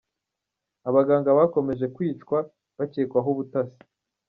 Abaganga bakomeje kwicwa bakekwaho ubutasi